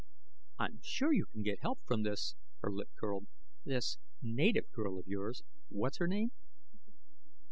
"I'm sure you can get help from this " her lip curled " this native girl of yours. What's her name?"